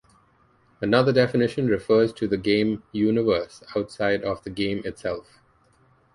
Another definition refers to the game universe outside of the game itself.